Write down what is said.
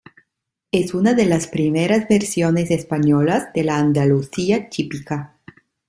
Es una de las primeras versiones españolas de la Andalucía típica.